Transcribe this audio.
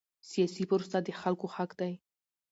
سیاسي پروسه د خلکو حق دی